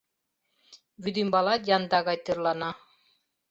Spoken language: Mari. Вӱдӱмбалат янда гай тӧрлана.